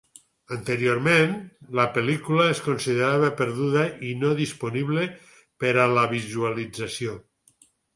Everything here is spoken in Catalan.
Anteriorment, la pel·lícula es considerava perduda i no disponible per a la visualització.